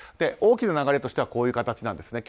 大きな流れとしてはこういう形です。